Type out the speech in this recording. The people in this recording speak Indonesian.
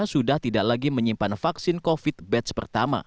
sudah tidak lagi menyimpan vaksin covid batch pertama